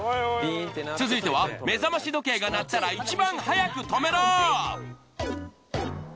続いては目覚まし時計が鳴ったらいちばん早く止めろ！